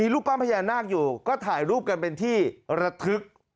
อยู่ก็ถ่ายรูปกันเป็นที่ระทึก